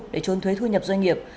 để trốn thuế thu nhập doanh nghiệp